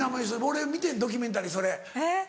俺見てるドキュメンタリーそれ。